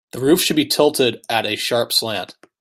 The roof should be tilted at a sharp slant.